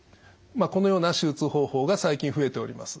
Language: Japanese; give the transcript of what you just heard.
このような手術方法が最近増えております。